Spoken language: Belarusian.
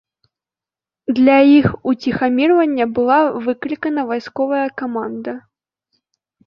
Для іх уціхамірвання была выклікана вайсковая каманда.